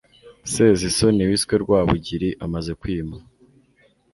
sezisoni wiswe rwabugiri amaze kwima